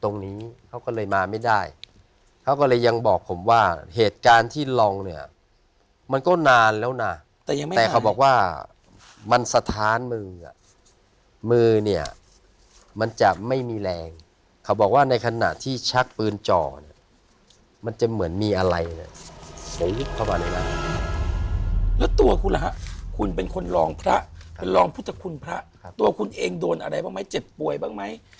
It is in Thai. ตรงนี้เขาก็เลยมาไม่ได้เขาก็เลยยังบอกผมว่าเหตุการณ์ที่ลองเนี่ยมันก็นานแล้วนะแต่ยังไงแต่เขาบอกว่ามันสถานมืออ่ะมือเนี่ยมันจะไม่มีแรงเขาบอกว่าในขณะที่ชักปืนจ่อเนี่ยมันจะเหมือนมีอะไรเนี่ยเข้ามาในนั้นแล้วตัวคุณล่ะฮะคุณเป็นคนลองพระคุณลองพุทธคุณพระตัวคุณเองโดนอะไรบ้างไหมเจ็บป่วยบ้างไหม